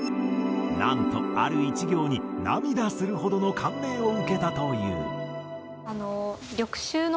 なんとある１行に涙するほどの感銘を受けたという。